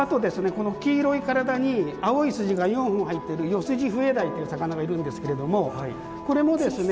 この黄色い体に青い筋が４本入ってるヨスジフエダイっていう魚がいるんですけれどもこれもですね